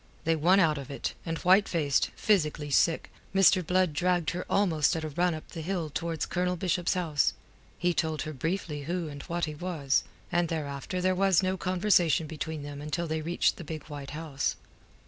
They won out of it, and white faced, physically sick, Mr. Blood dragged her almost at a run up the hill towards Colonel Bishop's house. He told her briefly who and what he was, and thereafter there was no conversation between them until they reached the big white house.